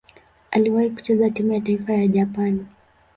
Aliwahi kucheza timu ya taifa ya Japani.